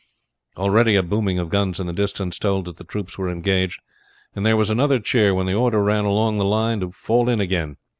Already a booming of guns in the distance told that the troops were engaged, and there was another cheer when the order ran along the line to fall in again.